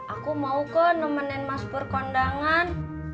aku mau ke nemenin mas pur kondangan